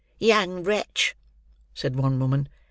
"Young wretch!" said one woman.